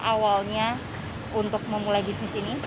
awalnya untuk memulai bisnis ini